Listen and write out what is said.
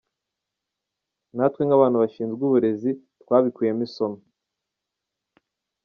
Natwe nk’abantu bashinzwe uburezi twabikuyemo isomo.